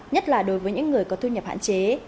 nhất là đối với những người có thu nhập hạn chế